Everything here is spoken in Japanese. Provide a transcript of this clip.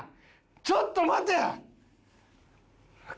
ちょっと待て！